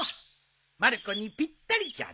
まる子にぴったりじゃな。